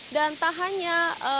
dan tak hanya